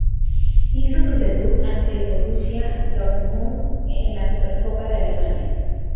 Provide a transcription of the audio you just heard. Hizo su debut ante el Borussia Dortmund en la Supercopa de Alemania.